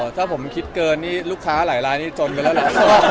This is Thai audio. ถ้าผมคิดเกินนี่ลูกค้าหลายร้านที่นี่จนกันละครับ